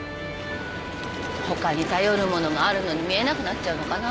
ほかに頼るものがあるのに見えなくなっちゃうのかな？